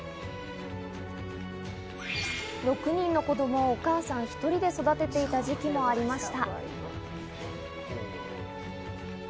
６人の子供をお母さん１人で育てていた時期もありました。